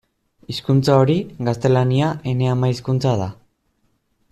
Hizkuntza hori, gaztelania, ene ama-hizkuntza da.